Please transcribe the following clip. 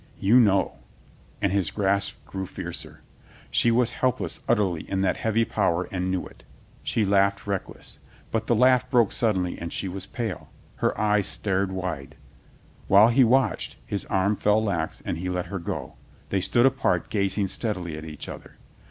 "You know," and his grasp grew fiercer. She was helpless utterly in that heavy power and knew it She laughed reckless. But the laugh broke suddenly and she was pale. Her eyes stared wide. While he watched, his arm fell lax and he let her go. They stood apart gazing steadily at each other.